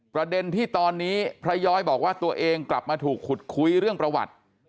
ประเด็นที่ตอนนี้พระย้อยบอกว่าตัวเองกลับมาถูกขุดคุยเรื่องประวัติ